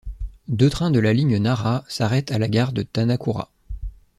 Deux trains de la ligne Nara s'arrêtent à la gare de Tanakura.